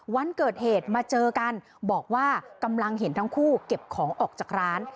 วันเกิดเหตุมาเจอกันบอกว่ากำลังเห็นทั้งคู่เก็บของออกจากร้าน